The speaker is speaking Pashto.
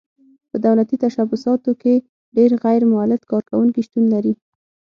په دولتي تشبثاتو کې ډېر غیر مولد کارکوونکي شتون لري.